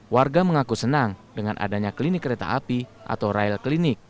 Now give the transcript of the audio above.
warga mengaku senang dengan adanya klinik kereta api atau rel klinik